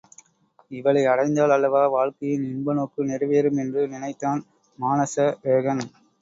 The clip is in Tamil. இவளை அடைந்தால் அல்லவா வாழ்க்கையின் இன்பநோக்கு நிறைவேறும் என்று நினைத்தான் மானசவேகன்.